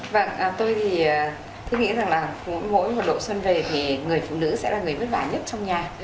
vâng tôi thì tôi nghĩ rằng là mỗi một độ xuân về thì người phụ nữ sẽ là người vất vả nhất trong nhà